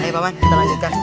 ayo pak man kita lanjutkan